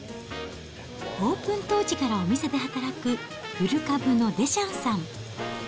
オープン当時からお店で働く古株のデシャンさん。